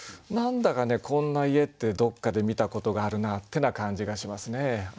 何だかねこんな家ってどっかで見たことがあるなってな感じがしますね。